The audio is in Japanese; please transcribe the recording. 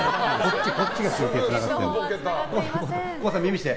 こっちが中継つながってるから。